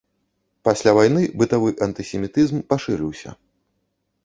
Пасля вайны бытавы антысемітызм пашырыўся.